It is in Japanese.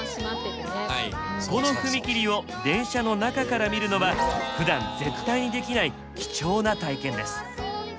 この踏切を電車の中から見るのはふだん絶対にできない貴重な体験です。